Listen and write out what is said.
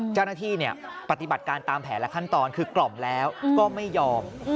ปฏิบัติการตามแผนและขั้นตอนคือกล่อมแล้วก็ไม่ยอม